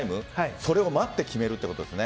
それを待って決めるということですよね。